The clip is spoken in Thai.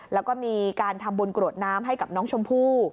แล้วก็มีการทำบุญกรวดน้ำให้กับน้องชมพู่